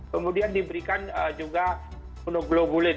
kemudian diberikan juga monoglobulin